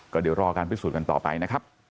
ก็เดี๋ยวรอการพิสูจน์กันต่อไปนะครับ